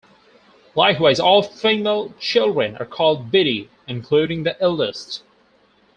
Likewise, all female children are called "Biddy", including the eldest.